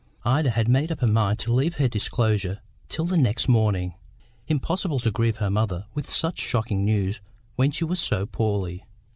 Ida had made up her mind to leave her disclosure till the next morning; impossible to grieve her mother with such shocking news when she was so poorly.